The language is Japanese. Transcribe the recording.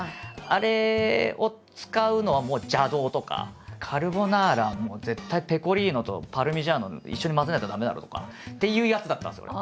「あれを使うのはもう邪道」とか「カルボナーラはもう絶対ペコリーノとパルミジャーノ一緒に混ぜないと駄目だろう」とかって言うやつだったんですよ